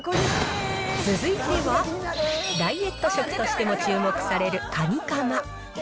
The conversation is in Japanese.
続いては、ダイエット食としても注目されるカニかま。